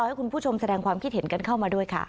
ให้คุณผู้ชมแสดงความคิดเห็นกันเข้ามาด้วยค่ะ